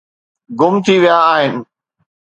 گم ٿي ويا آهن